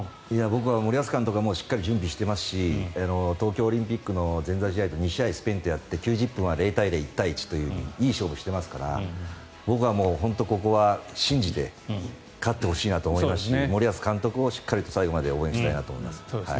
僕は森保監督がしっかり準備していますし東京オリンピックの試合でスペインとやって９０分は０対０、１対１といい勝負をしていますから僕は、ここは信じて勝ってほしいなと思いますし森保監督をしっかりと最後まで応援したいと思います。